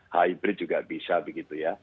hybrid juga bisa begitu ya